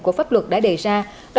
của pháp luật đã đề ra